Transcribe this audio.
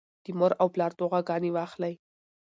د مور او پلار دعاګانې واخلئ.